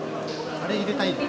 あれ入れたい。